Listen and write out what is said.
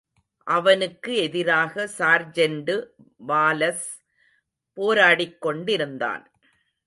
அவனுக்கு எதிராக sergeant Wallace போராடிக்கொண்டிருந்தான்.